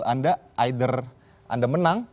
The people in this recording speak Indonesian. anda either anda menang